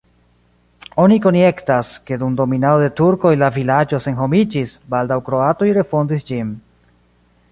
Oni konjektas, ke dum dominado de turkoj la vilaĝo senhomiĝis, baldaŭ kroatoj refondis ĝin.